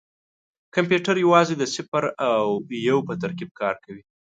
کمپیوټر یوازې د صفر او یو په ترکیب کار کوي.